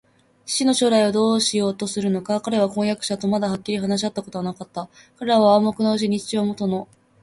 父の将来をどうしようとするのか、彼は婚約者とまだはっきり話し合ったことはなかった。彼らは暗黙のうちに、父はもとの住居すまいにひとり残るものときめていた